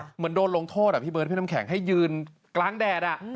เหมือนโดนลงโทษอ่ะพี่เบิร์ดพี่น้ำแข็งให้ยืนกลางแดด